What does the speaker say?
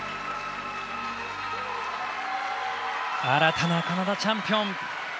新たなカナダチャンピオン。